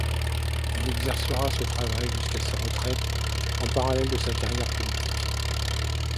Il exercera ce travail jusqu'à sa retraite, en parallèle à sa carrière politique.